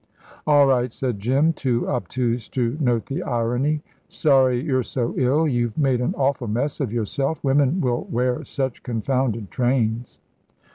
"All right," said Jim, too obtuse to note the irony. "Sorry you're so ill. You've made an awf'l mess of yourself: women will wear such confounded trains.